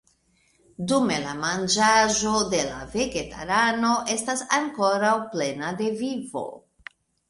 Dume la manĝaĵo de la vegetarano estas ankoraŭ plena de vivo.